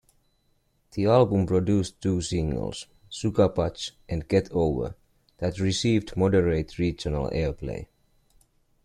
The album produced two singles, "Sugarbuzz" and "Get Over", that received moderate regional airplay.